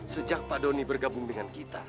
sejak pak doni bergabung dengan kita